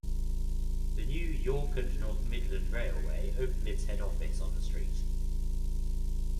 The new York and North Midland Railway opened its head office on the street.